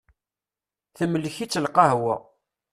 Temlek-itt lqahwa.